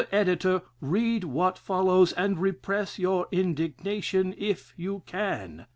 Editor, read what follows, and repress your indignation if you can.